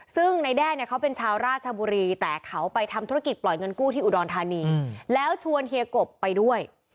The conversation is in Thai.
ซึ่งในแด้เนี่ยเขาเป็นชาวราชบุรีแต่เขาไปทำธุรกิจปล่อยเงินกู้ที่อุดรธานีแล้วชวนเฮียกบไปด้วย